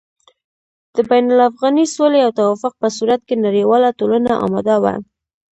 د بين الافغاني سولې او توافق په صورت کې نړېواله ټولنه اماده وه